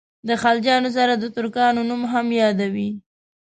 د خلجیانو سره د ترکانو نوم هم یادوي.